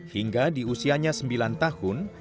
hingga di usianya sembilan tahun